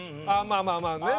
まあまあまあね